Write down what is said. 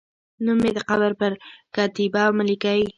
نوم مې د قبر پر کتیبه مه لیکئ